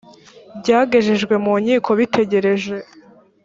byagejejwe mu nkiko bitegereje